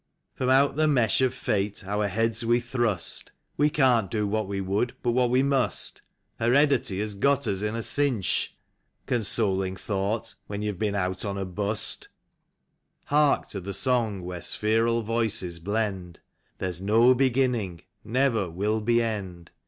From out the mesh of fate our heads we thrust. We can't do what we would, but what we must. Heredity has got us in a cinch. (Consoling thought, when you've been on a "bust.") Hark to the song where spheral voices blend: " There's no beginning, never will be end.''